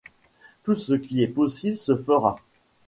Tout ce qui est possible se fera.